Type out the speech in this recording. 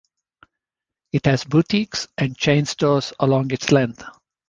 It has boutiques and chain stores along its length.